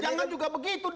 jangan juga begitu dong